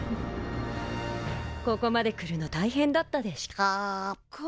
ここまで来るの大変だったでシュコー？